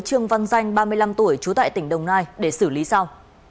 trương văn danh ba mươi năm tuổi trú tại tỉnh đồng nai để xử lý sau